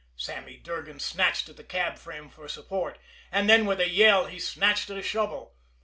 Sammy Durgan snatched at the cab frame for support and then with a yell he snatched at a shovel.